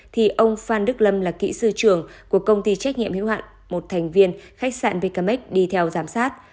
thì ông phan đức lâm là kỹ sư trưởng của công ty trách nhiệm hiếu hạn một thành viên khách sạn bkmex đi theo giám sát